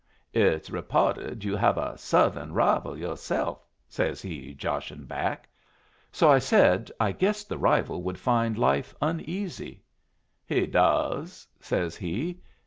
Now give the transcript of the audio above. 'It's repotted you have a Southern rival yourself,' says he, joshin' back. So I said I guessed the rival would find life uneasy. 'He does,' says he.